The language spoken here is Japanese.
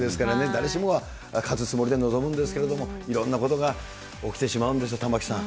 誰しもが勝つつもりで臨むんですけれども、いろんなことが起きてしまうんですよ、玉城さん。